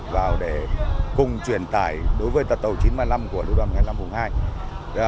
vào để cùng chuyển tải đối với tàu chín trăm ba mươi năm của lưu đoàn hai mươi năm vùng hai